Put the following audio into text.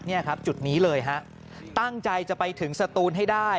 นี่ครับจุดนี้เลยฮะตั้งใจจะไปถึงสตูนให้ได้